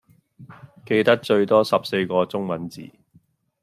記得最多十四個中文字